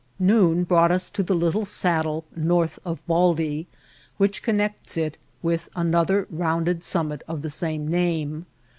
Noon brought us to a little saddle north of Baldy, which connects it with another rounded summit of the same name.